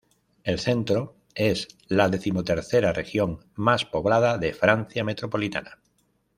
El Centro es la decimotercera región más poblada de Francia metropolitana.